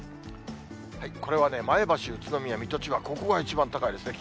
これは前橋、宇都宮、水戸、千葉、ここが一番高いですね。